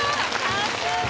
さすが！